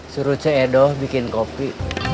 suruh cedoh bikin kopi